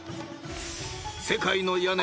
［世界の屋根